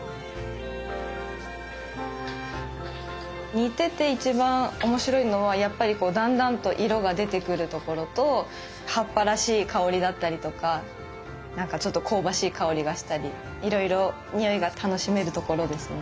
煮てて一番面白いのはやっぱりこうだんだんと色が出てくるところと葉っぱらしい香りだったりとか何かちょっと香ばしい香りがしたりいろいろにおいが楽しめるところですね。